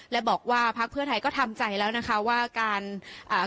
และบอกว่าพักเพื่อไทยก็ทำใจแล้วนะคะว่าการอ่า